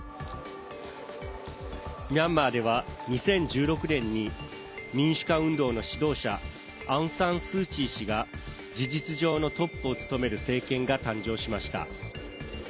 ミャンマーでは２０１６年に民主化運動の指導者アウン・サン・スー・チー氏が事実上のトップを務める政権が誕生しました。